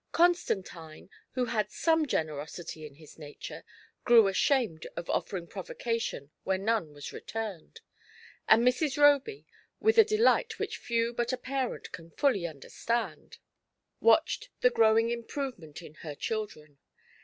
Constantine, who had some generosity in his nature, grew ashamed of offering provocation where none was returned, and Mrs. FAIR GRATITUDE. Ill Roby, with a delight which few but a parent can fully understand, watched the growing improvement in her children.